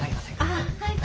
ああはい。